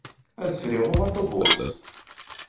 Adfel iɣumm aṭubus.